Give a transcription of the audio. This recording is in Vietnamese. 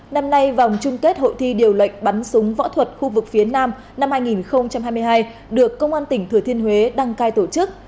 năm nay vòng chung kết hội thi điều lệnh bắn súng võ thuật khu vực phía nam năm hai nghìn hai mươi hai được công an tỉnh thừa thiên huế đăng cai tổ chức